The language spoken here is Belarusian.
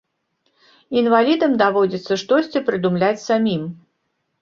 Інвалідам даводзіцца штосьці прыдумляць самім.